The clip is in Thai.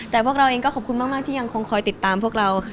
แต่พวกเราเองก็ขอบคุณมากที่ยังคงคอยติดตามพวกเราค่ะ